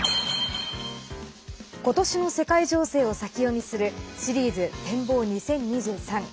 今年の世界情勢を先読みするシリーズ展望２０２３。